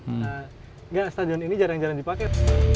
enggak stadion ini jarang jarang dipakai